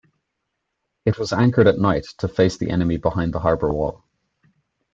It was anchored at night to face the enemy behind the harbour wall.